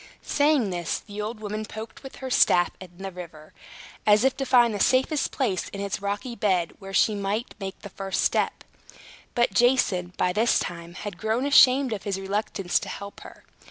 Saying this, the old woman poked with her staff in the river, as if to find the safest place in its rocky bed where she might make the first step. But Jason, by this time, had grown ashamed of his reluctance to help her.